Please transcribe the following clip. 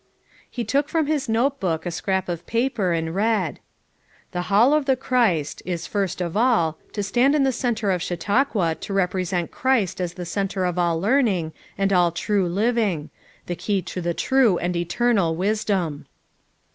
He took from his note book a scrap of paper and read: "The Hall of the Christ, is first of all, to stand in the center of Chautauqua to represent Christ as the center of all learning and all true living; the Key to the true and eternal wisdom.